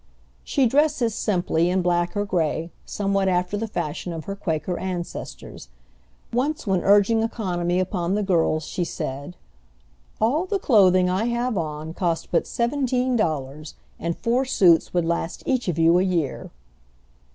She dresses simply, in black or gray, somewhat after the fashion of her Quaker ancestors. Once when urging economy upon the girls, she said, "All the clothing I have on cost but seventeen dollars, and four suits would last each of you a year."